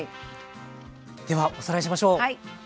ではおさらいしましょう。